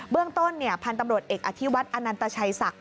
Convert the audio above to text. เบื้องต้นพันธ์ตำรวจเอกอธิวัติออชัยศักดิ์